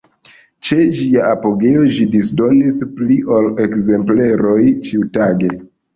Ĉe ĝia apogeo, ĝi disdonis pli ol ekzempleroj ĉiutage.